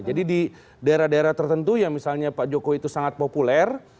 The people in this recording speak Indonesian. di daerah daerah tertentu yang misalnya pak jokowi itu sangat populer